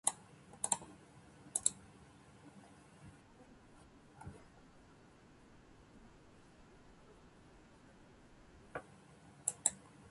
人間って、一日にどれくらいの量の水を飲むのが理想的なんだろう。